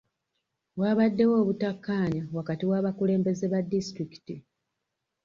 Waabaddewo obutakkaanya wakati w'abakulembeze ba disitulikiti.